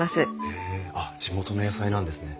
へえあっ地元の野菜なんですね。